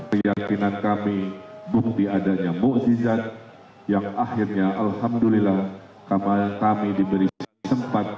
keyakinan kami bukti adanya mu zizat yang akhirnya alhamdulillah kami diberi sempat